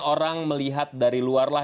orang melihat dari luar lah